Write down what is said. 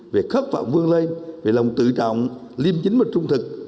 việc khóc phạm vương lây việc lòng tự trọng liêm chính và trung thực